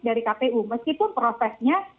dari kpu meskipun prosesnya